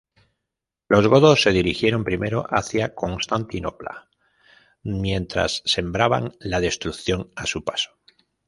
Los godos se dirigieron primero hacia Constantinopla mientras sembraban la destrucción a su paso.